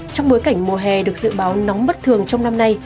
trong bối cảnh mùa hè được dự báo nóng bất thường trong năm nay